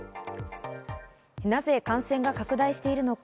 なぜ感染が拡大しているのか。